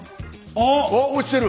あっ落ちてる！